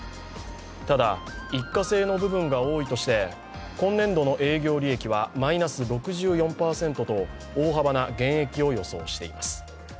ただ、一過性の部分が多いとして今年度の営業利益はマイナス６４％と大幅な減益を予想しています。